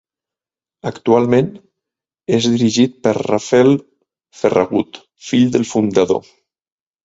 Actualment, és dirigit per Rafel Ferragut, fill del fundador.